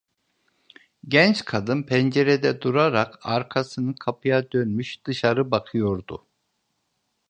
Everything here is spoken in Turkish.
Genç kadın, pencerede durarak arkasını kapıya dönmüş, dışarı bakıyordu.